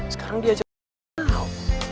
sekarang dia ajak dia gak mau